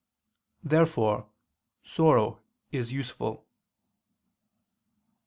Therefore sorrow is useful.